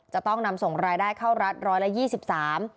จะต้องนำส่งรายได้เข้ารัฐ๑๒๓ล้านบาท